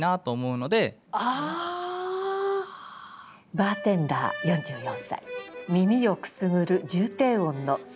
「バーテンダー４４歳耳をくすぐる重低音のスイートソース」。